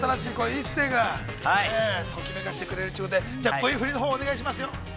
一世君、ときめかせてくれるということで、Ｖ振りのほうをお願いしますよ。